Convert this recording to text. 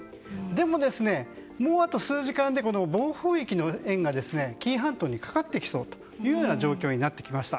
でも、もうあと数時間で暴風域の円が紀伊半島にかかってきそうという状況になってきました。